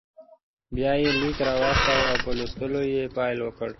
بیا یې لیک راواخیست او په لوستلو یې پیل وکړ.